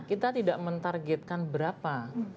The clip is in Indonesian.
kita tidak mentargetkan berapa